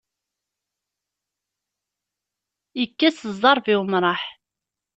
Ikkes ẓẓerb, i umṛaḥ.